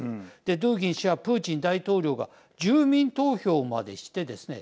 ドゥーギン氏はプーチン大統領が住民投票までしてですね